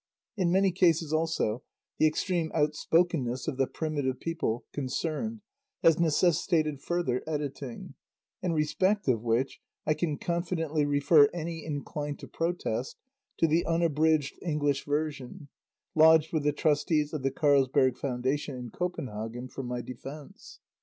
In many cases also, the extreme outspokenness of the primitive people concerned has necessitated further editing, in respect of which, I can confidently refer any inclined to protest, to the unabridged English version, lodged with the Trustees of the Carlsberg Foundation in Copenhagen, for my defence.